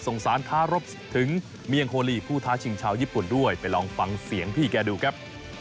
สารท้ารบถึงเมียงโฮลีผู้ท้าชิงชาวญี่ปุ่นด้วยไปลองฟังเสียงพี่แกดูครับ